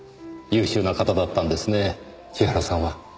優秀な方だったんですね千原さんは。